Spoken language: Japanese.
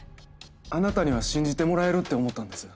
あなたには信じてもらえるって思ったんです。